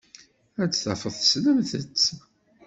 Ad tafeḍ tessnemt-tt.